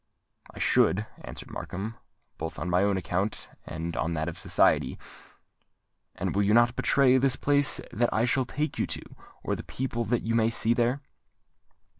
"I should," answered Markham; "both on my own account and on that of society." "And you will not betray the place that I shall take you to, or the people that you may see there?"